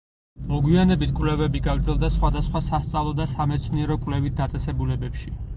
მოგვიანებით, კვლევები გაგრძელდა სხვადასხვა სასწავლო და სამეცნიერო-კვლევით დაწესებულებებში.